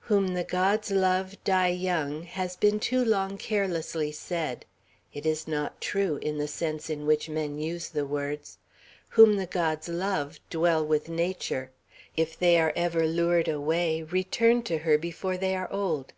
"Whom the gods love, die young," has been too long carelessly said. It is not true, in the sense in which men use the words. Whom the gods love, dwell with nature; if they are ever lured away, return to her before they are old.